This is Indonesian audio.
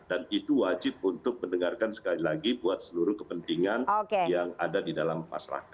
dan itu wajib untuk mendengarkan sekali lagi buat seluruh kepentingan yang ada di dalam masyarakat